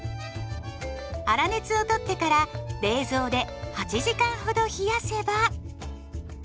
粗熱を取ってから冷蔵で８時間ほど冷やせば。